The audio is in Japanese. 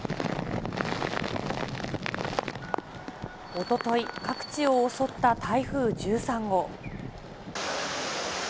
おととい、各地を襲った台風１３号。